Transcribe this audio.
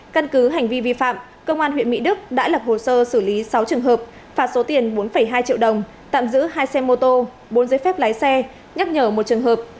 căn cứ hành vi vi phạm công an huyện mỹ đức đã lập hồ sơ xử lý sáu trường hợp phạt số tiền bốn hai triệu đồng tạm giữ hai xe mô tô bốn giấy phép lái xe nhắc nhở một trường hợp